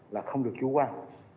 là không được chủ quan